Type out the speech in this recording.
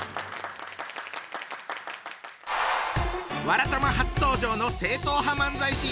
「わらたま」初登場の正統派漫才師。